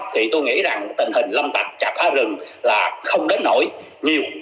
thì tôi nghĩ là tình hình lâm tạch chặt phá rừng là không đến nổi nhiều